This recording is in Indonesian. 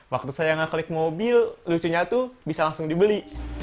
waktu saya nggak klik mobil lucunya tuh bisa langsung dibeli